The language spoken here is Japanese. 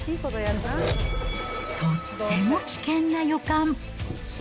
とっても危険な予感。